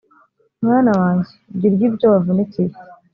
mwana wanjye jya urya ibyo wavunikiye